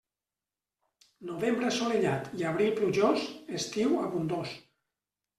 Novembre assolellat i abril plujós, estiu abundós.